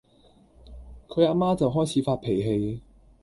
佢呀媽就開始發脾氣